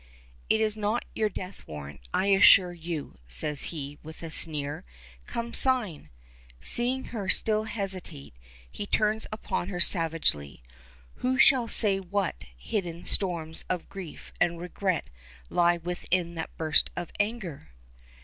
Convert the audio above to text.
"It is not your death warrant, I assure you," says he, with a sneer. "Come, sign!" Seeing her still hesitate, he turns upon her savagely. Who shall say what hidden storms of grief and regret lie within that burst of anger?